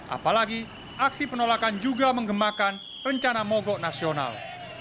apalagi aksi penolakan juga menggemakan rencana mogok nasional